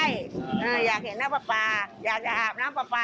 อยากเห็นน้ำปลา